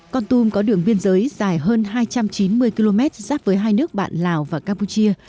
con tum có đường biên giới dài hơn hai trăm chín mươi km giáp với hai nước bạn lào và campuchia